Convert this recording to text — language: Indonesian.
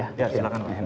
ya silahkan pak